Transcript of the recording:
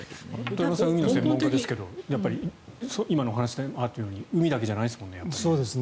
遠山さんは海の専門家ですけど今のお話にあるように海だけじゃないですよね。